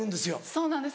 そうなんです